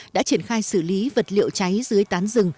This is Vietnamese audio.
đã triển khai xử lý vật liệu cháy dưới tán rừng